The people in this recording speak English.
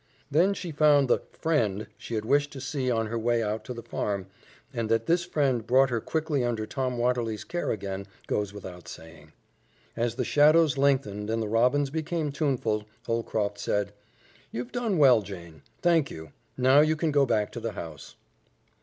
That she found the "friend" she had wished to see on her way out to the farm, and that this friend brought her quickly under Tom Watterly's care again, goes without saying. As the shadows lengthened and the robins became tuneful, Holcroft said, "You've done well, Jane. Thank you. Now you can go back to the house."